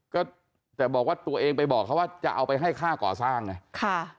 ก็แต่บอกว่าตัวเองไปบอกเขาว่าจะเอาไปให้ค่าก่อสร้างไงค่ะ